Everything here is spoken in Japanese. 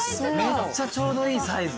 めっちゃちょうどいいサイズ。